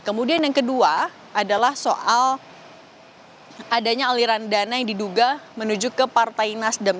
kemudian yang kedua adalah soal adanya aliran dana yang diduga menuju ke partai nasdem